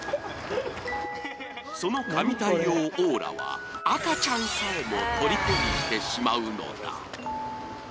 その神対応オーラは、赤ちゃんさえもとりこにしてしまうのだ。